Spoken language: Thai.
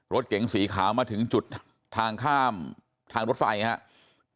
รถเก๋งสีขาวมาถึงจุดทางข้ามทางรถไฟครับ